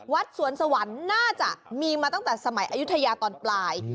วัดสวนสวรรค์น่าจะมีมาตั้งแต่สมัยอายุทยาตอนปลาย